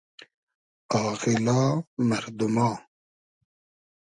آغیلا مئردوما